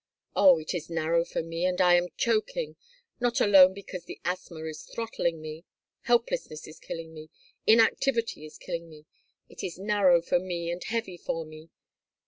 Oh, it is narrow for me, and I am choking, not alone because the asthma is throttling me; helplessness is killing me, inactivity is killing me! It is narrow for me and heavy for me!